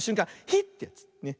ヒッ！ってやつ。